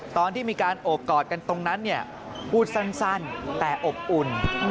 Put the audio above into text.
ตอนที่มีการโอบกอดกันตรงนั้น